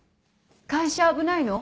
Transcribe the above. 会社危ないの？